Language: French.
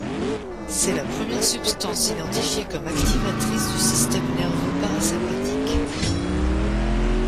C'est la première substance identifiée comme activatrice du système nerveux parasympathique.